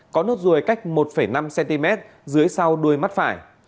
có nốt ruồi cách một năm cm dưới sau đuôi mắt phải